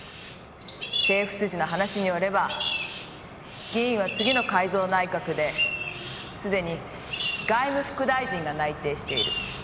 「政府筋の話によれば議員は次の改造内閣ですでに外務副大臣が内定している」。